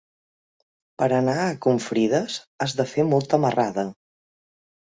Per anar a Confrides has de fer molta marrada.